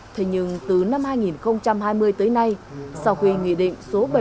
thế nhưng từ năm hai nghìn hai mươi tới nay sau khi nghị định số bảy mươi năm hai nghìn một mươi một